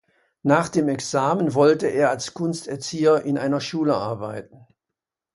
Nach dem Examen wollte er als Kunsterzieher in einer Schule arbeiten.